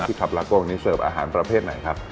พี่ขับรักว่ากันอาหารประเภทไหนครับ